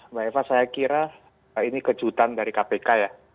mbak eva saya kira ini kejutan dari kpk ya